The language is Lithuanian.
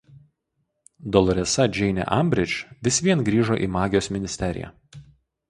Doloresa Džeinė Ambridž vis vien grįžo į Magijos Ministeriją.